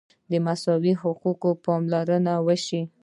د مساوي حقونو پاملرنه وشوه.